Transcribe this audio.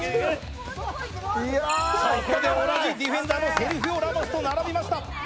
同じディフェンダーのセルヒオ・ラモスと並びました。